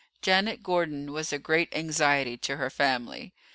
Janet Gordon was a great anxiety to her family.